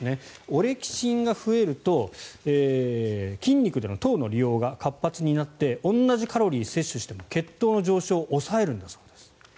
オレキシンが増えると筋肉での糖の利用が活発になって同じカロリーを摂取しても血糖の上昇を抑えるんだそうです。